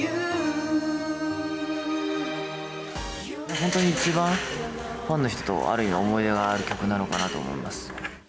本当に一番、ファンの人と、ある意味、思い出はある曲なのかなと思います。